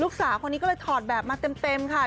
สาวคนนี้ก็เลยถอดแบบมาเต็มค่ะ